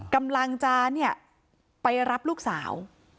กำลังจะเนี่ยไปรับลูกสาว